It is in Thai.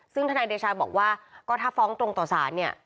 ซึ่งธนาเนสชาบอกว่าถ้าฟ้องตรงตรงต่อศาสน์